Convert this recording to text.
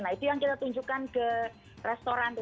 nah itu yang kita tunjukkan ke restoran